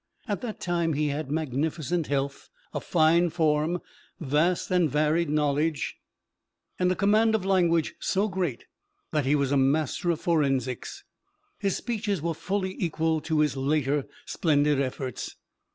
At that time he had magnificent health, a fine form, vast and varied knowledge, and a command of language so great that he was a master of forensics. His speeches were fully equal to his later splendid efforts.